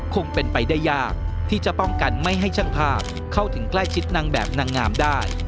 คงเป็นไปได้ยากที่จะป้องกันไม่ให้ช่างภาพเข้าถึงใกล้ชิดนางแบบนางงามได้